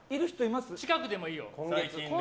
近くでもいいよ。